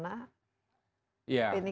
ini kan akan menentukan